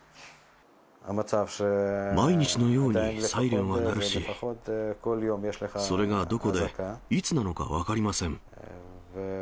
毎日のようにサイレンは鳴るし、それがどこでいつなのか分かりません。